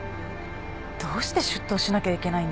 どうして出頭しなきゃいけないんです？